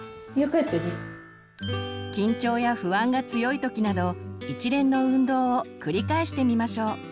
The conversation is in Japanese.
緊張や不安が強い時など一連の運動を繰り返してみましょう。